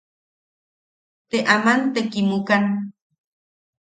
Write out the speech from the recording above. Te aman te kimukan.